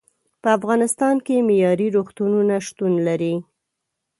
په افغانستان کې معیارې روغتونونه شتون لري.